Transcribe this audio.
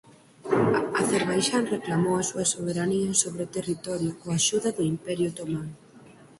Acerbaixán reclamou a súa soberanía sobre o territorio coa axuda do Imperio otomán.